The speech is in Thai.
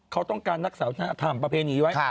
เขาต้องการนักสาวทางอาทิตย์ประเพณีไว้